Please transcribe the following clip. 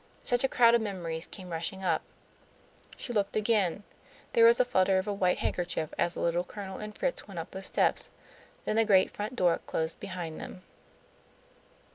Such a crowd of memories came rushing up! She looked again. There was a flutter of a white handkerchief as the Little Colonel and Fritz went up the steps. Then the great front door closed behind them.